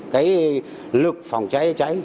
cái lực phòng cháy cháy